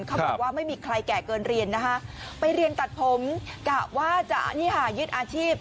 เขาบอกว่าไม่มีใครแก่เกินเรียนนะคะไปเรียนตัดผมกะว่าจะนี่ค่ะยึดอาชีพ